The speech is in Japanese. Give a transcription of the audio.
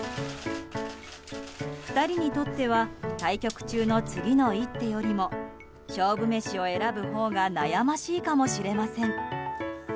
２人にとっては対局中の次の一手よりも勝負メシを選ぶほうが悩ましいかもしれません。